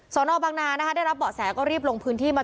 สวนอบังนานะคะได้รับบอกแสแล้วก็รีบลงพื้นที่มา